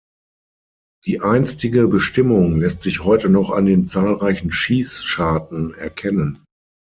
Die einstige Bestimmung lässt sich heute noch an den zahlreichen Schießscharten erkennen.